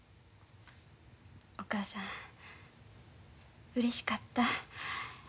お母さんうれしかった。